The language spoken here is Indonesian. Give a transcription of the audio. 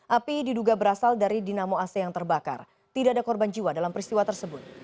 api diduga berasal dari dinamo ac yang terbakar tidak ada korban jiwa dalam peristiwa tersebut